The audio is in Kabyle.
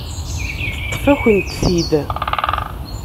Teṭṭef-akent-t-id.